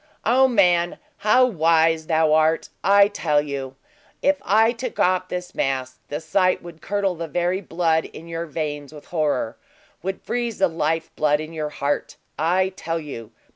O man, how wise thou art! I tell you, if I took off this mask, the sight would curdle the very blood in your veins with horror would freeze the lifeblood in your heart. I tell you!"